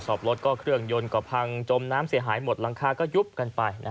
รถก็เครื่องยนต์ก็พังจมน้ำเสียหายหมดหลังคาก็ยุบกันไป